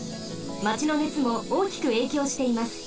マチのねつもおおきくえいきょうしています。